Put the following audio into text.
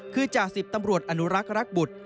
คือจ่าสิบตำรวจอนุรักษ์รักบุตร